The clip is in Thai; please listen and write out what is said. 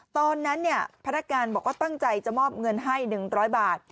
ตอนนั้นพนักงานบอกว่าตั้งใจจะมอบเงินให้๑๐๐บาท